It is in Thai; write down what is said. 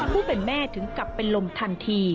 ผู้เป็นแม่ถึงกลับเป็นลมทันที